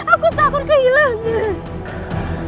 aku takut kehilangan